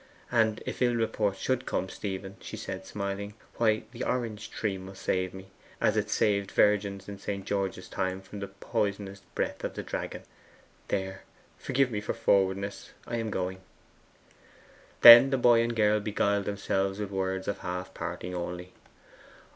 'And if ill report should come, Stephen,' she said smiling, 'why, the orange tree must save me, as it saved virgins in St. George's time from the poisonous breath of the dragon. There, forgive me for forwardness: I am going.' Then the boy and girl beguiled themselves with words of half parting only.